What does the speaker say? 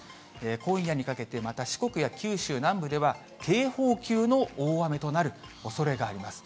今夜にかけてまた四国や九州南部では、警報級の大雨となるおそれがあります。